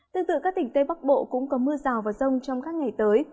tương tự các tỉnh tây bắc bộ cũng có mưa rào và rông trong các ngày tới